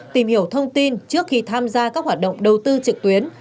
tìm hiểu thông tin trước khi tham gia các hoạt động đầu tư trực tuyến